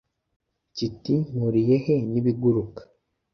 kiti: “mpuriye he n’ibiguruka?